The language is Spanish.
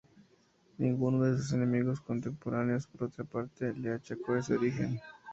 Ninguno de sus enemigos contemporáneos, por otra parte, le achacó ese origen.